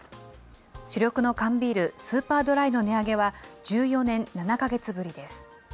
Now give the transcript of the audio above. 主力の缶ビール、スーパードライの値上げは１４年７か月ぶりです。